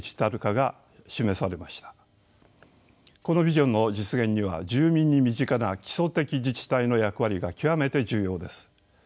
このビジョンの実現には住民に身近な基礎的自治体の役割が極めて重要です。